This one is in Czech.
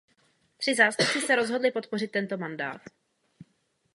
Tři zástupci se rozhodli podpořit tento mandát.